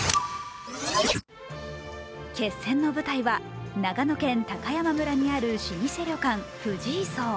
決戦の舞台は長野県高山村にある老舗旅館・藤井荘。